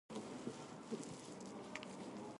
私はかぜ